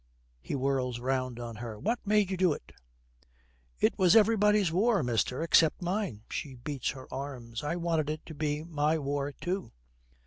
He whirls round on her. 'What made you do it?' 'It was everybody's war, mister, except mine.' She beats her arms. 'I wanted it to be my war too.'